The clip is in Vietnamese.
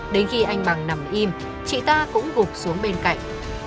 đến khi anh bằng nằm im chị ta cũng gục xuống bên cạnh